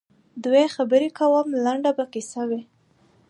دوی خبري کوم لنډه به کیسه وي